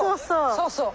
そうそう！